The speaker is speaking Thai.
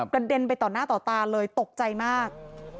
เด็นไปต่อหน้าต่อตาเลยตกใจมาก